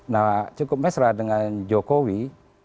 nah cukup mesra dengan jokowi